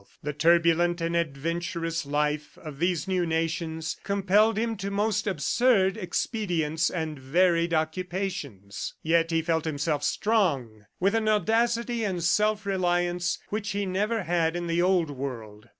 The turbulent and adventurous life of these new nations compelled him to most absurd expedients and varied occupations. Yet he felt himself strong with an audacity and self reliance which he never had in the old world.